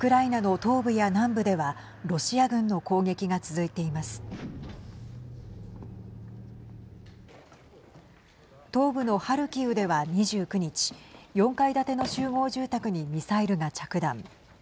東部のハルキウでは２９日４階建ての集合住宅にミサイルが着弾。